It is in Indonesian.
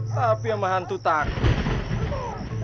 tapi sama hantu takut